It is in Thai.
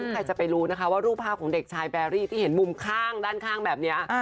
ใครจะไปรู้นะคะว่ารูปภาพของเด็กชายแบรี่ที่เห็นมุมข้างด้านข้างแบบนี้